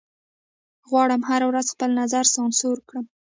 غواړم هره ورځ خپل نظر سانسور کړم